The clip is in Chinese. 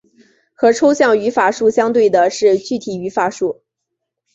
和抽象语法树相对的是具体语法树。